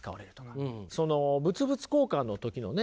その物々交換の時のね